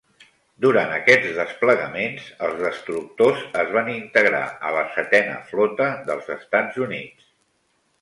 Durant aquests desplegaments, els destructors es van integrar a la Setena Flota dels Estats Units.